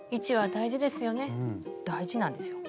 大事なんですよ。